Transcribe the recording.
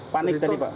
panik tadi pak